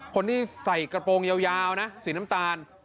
คนที่ใส่กระโปรงยาวนะสีน้ำตาล